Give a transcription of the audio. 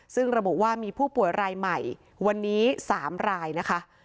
ซึ่งระบุว่ามีผู้ป่วยรายใหม่วันนี้๓รายนะคะ